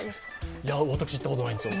私、行ったことないんですよ。